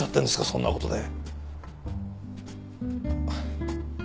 そんなことで。